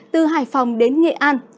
từ hải phòng đến nghệ an